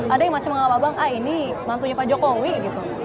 ada yang masih mengawal bang ah ini mantunya pak jokowi gitu